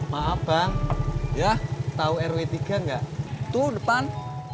maaf bang ya tahu rw tiga nggak tuh depan